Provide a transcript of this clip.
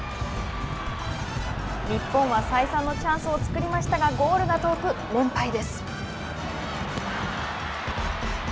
日本は再三のチャンスを作りましたがゴールが遠く連敗です。